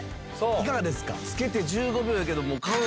いかがですか？